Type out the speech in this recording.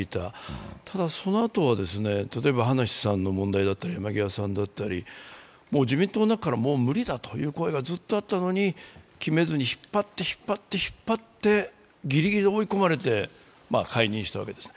ただそのあとは葉梨さんの問題だったり山際さんだったり、自民党の中から、もう無理だという声がずっとあったのに決めずに引っ張って引っ張って、引っ張ってギリギリに追い込まれて解任したわけです。